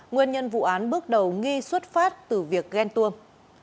nguyên nhân vụ án bước đầu nghi xuất phát từ việc ghen tuông